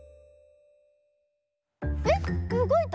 えっ⁉うごいた？